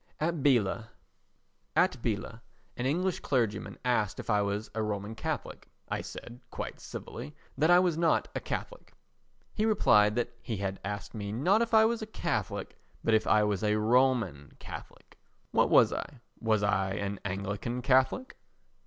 At Biella an English clergyman asked if I was a Roman Catholic. I said, quite civilly, that I was not a Catholic. He replied that he had asked me not if I was a Catholic but if I was a Roman Catholic. What was I? Was I an Anglican Catholic?